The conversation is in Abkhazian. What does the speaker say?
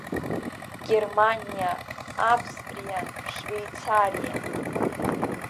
Германиа, Австриа, Швеицариа.